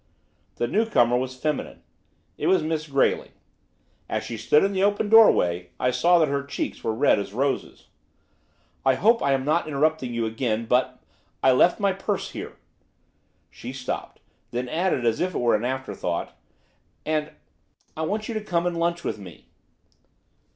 The newcomer was feminine. It was Miss Grayling. As she stood in the open doorway, I saw that her cheeks were red as roses. 'I hope I am not interrupting you again, but I left my purse here.' She stopped; then added, as if it were an afterthought, 'And I want you to come and lunch with me.